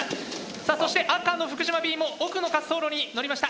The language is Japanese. さあそして赤の福島Ｂも奥の滑走路に乗りました。